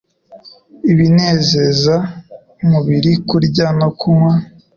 Ibinezeza umubiri, kurya no kunywa